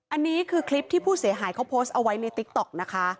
อันนี้คือคลิปที่ผู้เสียหายเขาโพสต์เอาไว้ในติ๊กต๊อกนะคะ